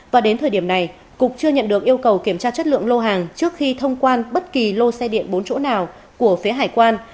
và đến thời điểm này cục chưa nhận được yêu cầu kiểm tra chất lượng lô hàng trước khi thông quan bất kỳ lô xe điện bốn chỗ nào của phía hải quan